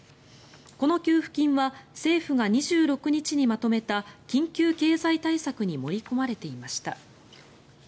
この給付金は政府が２６日にまとめた緊急経済対策に盛り込まれていました。